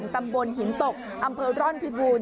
ตำบลหินตกอำเภอร่อนพิบูรณ